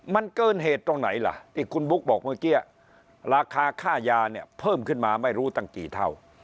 มันเกินเหตุตรงไหนล่ะที่คุณบุ๊คบอกเมื่อกี้ราคาค่ายาเนี่ยเพิ่มขึ้นมาไม่รู้ตั้งกี่เท่า